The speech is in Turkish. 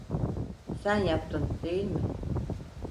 Sen yaptın, değil mi?